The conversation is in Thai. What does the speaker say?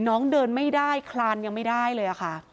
น้องเดินไม่ได้คลานยังไม่ได้เลยค่ะ